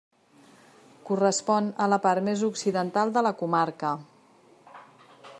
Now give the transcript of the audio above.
Correspon a la part més occidental de la comarca.